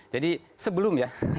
jadi sebelum ya